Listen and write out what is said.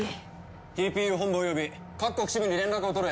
ＴＰＵ本部および各国支部に連絡を取れ。